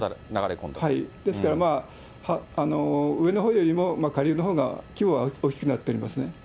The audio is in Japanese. そうですね、ですから、上のほうよりも下流のほうが規模は大きくなっていますね。